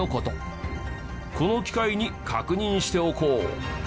この機会に確認しておこう。